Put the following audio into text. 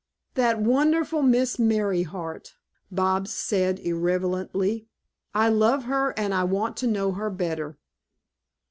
"That wonderful Miss Merryheart!" Bobs said irrelevantly, "I love her and I want to know her better."